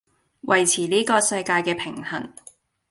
維持呢個世界既平衡